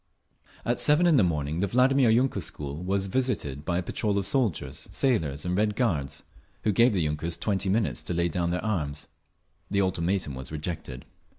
At seven in the morning the Vladimir yunker school was visited by a patrol of soldiers, sailors and Red Guards, who gave the yunkers twenty minutes to lay down their arms. The ultimatum was rejected.